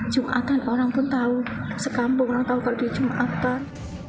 jumatan orang pun tahu sekampung orang tahu kalau dia jumatan